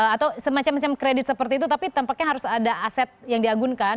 atau semacam macam kredit seperti itu tapi tampaknya harus ada aset yang diagunkan